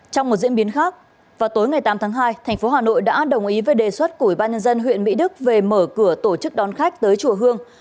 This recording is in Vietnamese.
trong một diễn biến khác vào tối ngày tám tháng hai thành phố hà nội đã đồng ý với đề xuất của ubnd huyện mỹ đức về mở cửa tổ chức đón khách tới chùa hương